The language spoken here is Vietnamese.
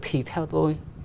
thì theo tôi